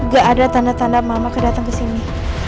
gak ada tanda tanda mama kedatang kesini